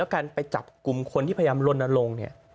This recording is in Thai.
การไปจับกลุ่มคนที่พยายามลนลงเนี่ย